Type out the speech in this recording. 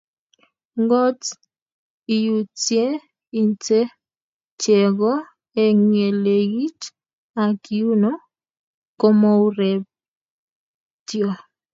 Ngot iyutye inte chego eng ye lekit ak yuno komourebetyo.